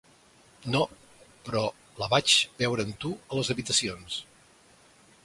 No, però la vaig veure amb tu a les habitacions.